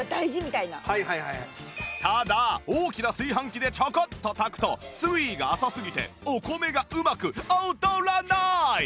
ただ大きな炊飯器でちょこっと炊くと水位が浅すぎてお米がうまく踊らなーい！